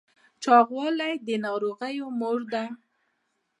چاغوالی د ناروغیو مور ده